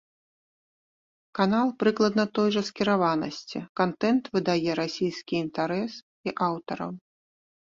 Канал прыкладна той жа скіраванасці, кантэнт выдае расійскі інтарэс і аўтараў.